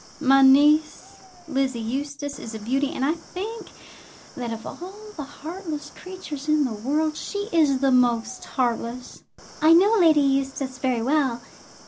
My niece, Lizzie Eustace, is a beauty; and I think that, of all the heartless creatures in the world, she is the most heartless." "I know Lady Eustace very well."